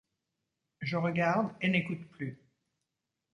Je regarde et n'écoute plus ;